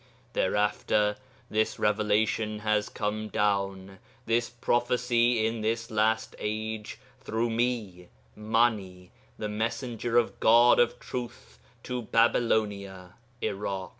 Thereafter this revelation has come down, this prophecy in this last age, through me, Mani, the Messenger of the God of Truth to Babylonia' ('Irak).